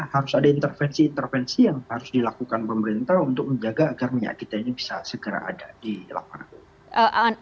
harus ada intervensi intervensi yang harus dilakukan pemerintah untuk menjaga agar minyak kita ini bisa segera ada di lapangan